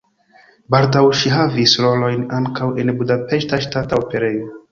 Baldaŭ ŝi havis rolojn ankaŭ en Budapeŝta Ŝtata Operejo.